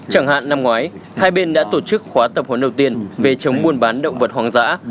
chẳng hạn năm ngoái hai bên đã tổ chức khóa tập huấn đầu tiên về chống buôn bán động vật hoang dã